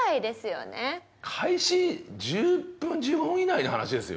開始１０分１５分以内の話ですよ。